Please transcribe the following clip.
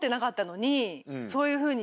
そういうふうに。